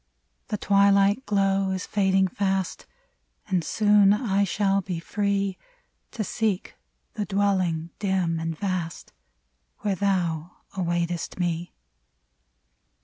The twilight glow is fading fast, And soon I shall be free To seek the dwelling, dim and vast, Where thou awaitest me.